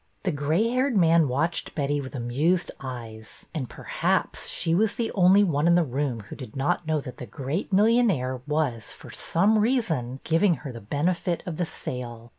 The gray haired man watched Betty with amused eyes, and perhaps she was the only one in the room who did not know that the great millionaire was, for some reason, giving her the benefit of the sale.